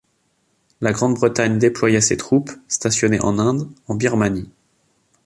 La Grande-Bretagne déploya ses troupes, stationnées en Inde, en Birmanie.